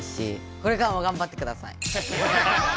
これからもがんばってください！